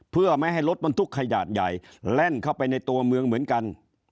เพื่อไม่ให้รถบรรทุกขนาดใหญ่แล่นเข้าไปในตัวเมืองเหมือนกัน